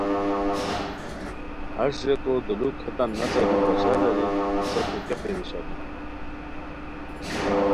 ہݰ ریکو دولوک ہیتان نسہ بی بشار اریر کی پستے کیہ پریشانی